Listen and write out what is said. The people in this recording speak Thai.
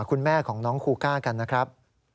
คุณแม่ของน้องคูก้ากันนะครับ